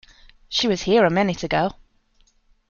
She was here a minute ago.